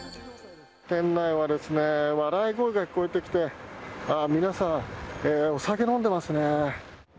店内はですね、笑い声が聞こえてきて、あー、皆さん、お酒飲んでますね。